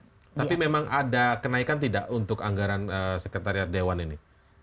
tapi memang ada kenaikan tidak untuk anggaran sekretariat dewan ini